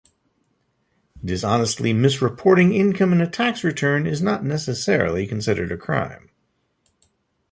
Dishonestly misreporting income in a tax return is not necessarily considered a crime.